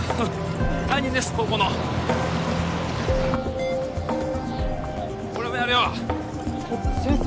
担任です高校の俺もやるよえっ先生